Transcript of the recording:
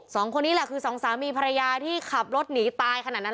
สองคนนี้แหละคือสองสามีภรรยาที่ขับรถหนีตายขนาดนั้น